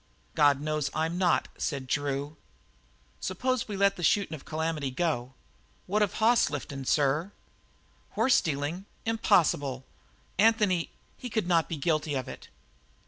"God knows I'm not," said Drew. "Suppose we let the shootin' of Calamity go. What of hoss liftin', sir?" "Horse stealing? Impossible! Anthony he could not be guilty of it!"